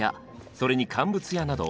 それに乾物屋など。